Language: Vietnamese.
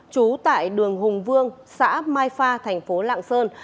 chú tại đường hùng vương xã mai pha tp lạng sơn